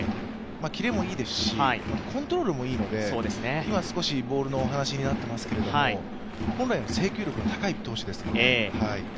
キレもいいですし、コントロールもいいので今、少しボールのお話になっていますけど、本来は制球力の高い投手ですので。